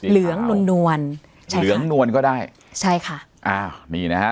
เหลืองนวลนวลใช่เหลืองนวลก็ได้ใช่ค่ะอ้าวนี่นะฮะ